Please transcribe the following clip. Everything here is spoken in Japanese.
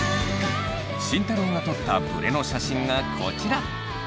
慎太郎が撮ったブレの写真がこちら。